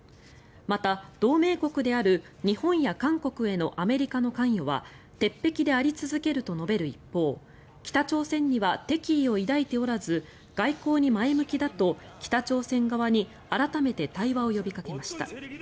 また、同盟国である日本や韓国へのアメリカの関与は鉄壁であり続けると述べる一方北朝鮮には敵意を抱いておらず外交に前向きだと北朝鮮側に改めて対話を呼びかけました。